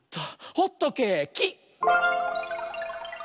ホットケーキ！